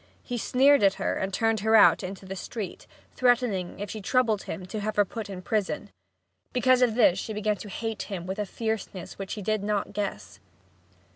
He sneered at her and turned her out into the street, threatening if she troubled him to have her put into prison. Because of this she began to hate him with a fierceness which he did not guess.